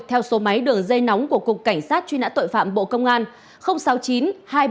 theo số máy đường dây nóng của cục cảnh sát truy nã tội phạm bộ công an sáu mươi chín hai trăm ba mươi hai một nghìn sáu trăm sáu mươi bảy